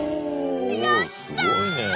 やった！